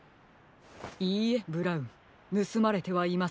いいえブラウンぬすまれてはいませんよ。